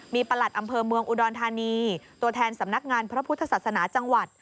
มีประหลัดอำเภอเมืองอุดรธานีตัวแทนสำนักงานพระพุทธศาสนาจังหวัด